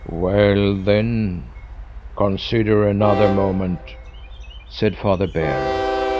"Well, then, consider another moment," said Father Bear.